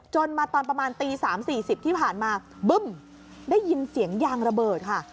จนมาตอนประมาณตีสามสี่สิบที่ผ่านมาได้ยินเสียงยางระเบิดค่ะ